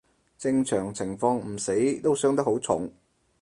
正常情況唔死都傷得好重